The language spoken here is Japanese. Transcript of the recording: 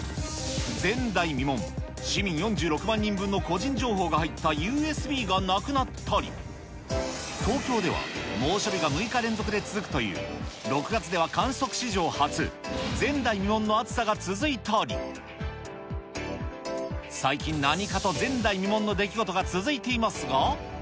前代未聞、市民４６万人分の個人情報が入ったＵＳＢがなくなったり、東京では猛暑日が６日連続で続くという、６月では観測史上初、前代未聞の暑さが続いたり、最近何かと前代未聞の出来事が続いていますが。